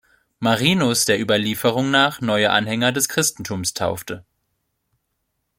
Marinus der Überlieferung nach neue Anhänger des Christentums taufte.